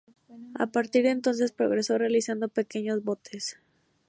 A partir de entonces, progresó realizando pequeños botes.